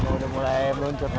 udah mulai meluncur